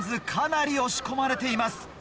かなり押し込まれています。